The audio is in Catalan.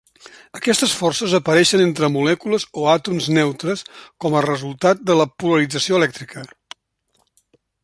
Aquestes forces apareixen entre molècules o àtoms neutres com a resultat de la polarització elèctrica.